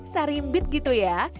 sarimbit gitu ya